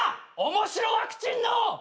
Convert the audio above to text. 面白ワクチンの。